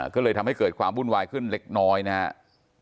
ก็เลยทำให้เกิดความวุ่นวายขึ้นเล็กน้อยนะครับ